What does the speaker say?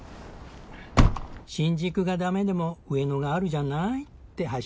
新宿がダメでも上野があるじゃないって